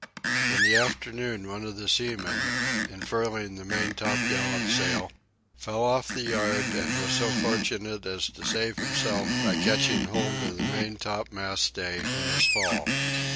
In the afternoon one of the seamen, in furling the main top gallant sail, fell off the yard and was so fortunate as to save himself by catching hold of the main top mast stay in his fall.